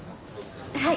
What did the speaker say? はい。